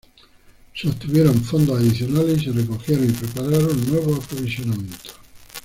Se obtuvieron fondos adicionales y se recogieron y prepararon nuevos aprovisionamientos.